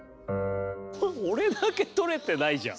俺だけ取れてないじゃん。